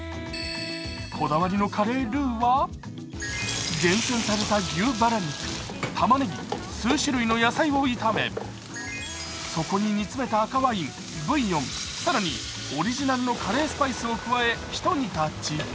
こだわりのカレールーは厳選された牛バラ肉、たまねぎ数種類の野菜を炒めそこに煮詰めた赤ワイン、ブイヨン更にオリジナルのカレースパイスを加え、一煮立ち。